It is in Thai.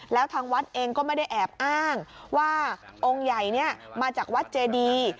แล้วทางวัดเองก็ไม่ได้แอบอ้างว่าองค์ใหญ่มาจากวัดเจดี